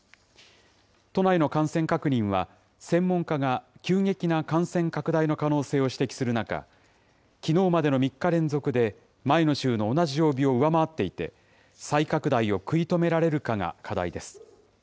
都内の感染確認は、専門家が急激な感染拡大の可能性を指摘する中、きのうまでの３日連続で、前の週の同じ曜日を上回っていて、再拡大を食い止められるかが課題です。